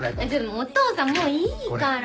お父さんもういいから。